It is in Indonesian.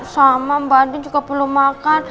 sama mbak andi juga belum makan